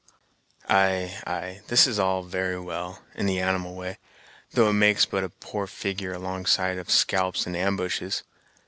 "Ay, ay, this is all very well, in the animal way, though it makes but a poor figure alongside of scalps and ambushes.